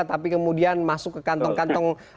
tapi kemudian masuk ke kantong kantong